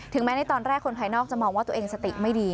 แม้ในตอนแรกคนภายนอกจะมองว่าตัวเองสติไม่ดี